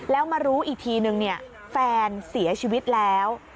แล้วมารู้อีกทีนึงแฟนเสียชีวิตแล้ว